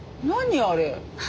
何あれ？